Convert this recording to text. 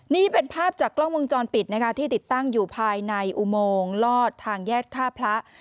นี่เป็นภาพจากกล้องวงจรปิดนะคะที่ติดตั้งอยู่ภายในอุโมงลอดทางแยกฆ่าพระ